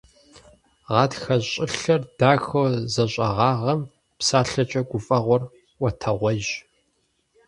Гъатхэ щӀылъэр дахэу зэщӀэгъагъэм, псалъэкӀэ гуфӀэгъуэр Ӏуэтэгъуейщ.